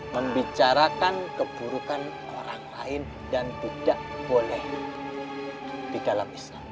membicarakan keburukan orang lain dan tidak boleh di dalam islam